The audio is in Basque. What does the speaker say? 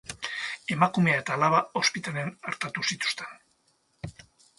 Emakumea eta alaba ospitalean artatu zituzten.